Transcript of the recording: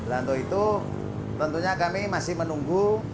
lalu itu tentunya kami masih menunggu